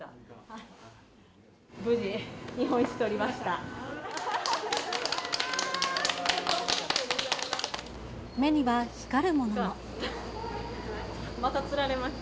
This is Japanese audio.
無事、日本一とりました。